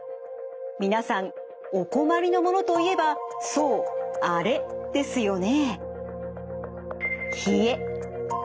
皆さんお困りのものといえばそうあれですよね。